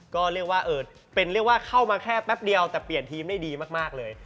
ก็เรียกว่าเข้ามาแค่แป๊บเดียวแต่เปลี่ยนทีมได้ดีมากเลย